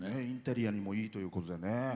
インテリアにもいいということでね。